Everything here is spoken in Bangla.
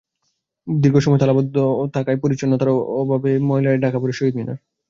দীর্ঘ সময় তালাবদ্ধ থাকায় পরিচ্ছন্নতার অভাবে ময়লায় ঢাকা পড়ে শহীদ মিনার।